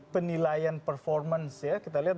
penilaian performance ya kita lihat